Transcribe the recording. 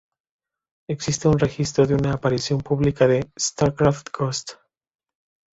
Existe un registro de una aparición publica de "Starcraft: Ghost".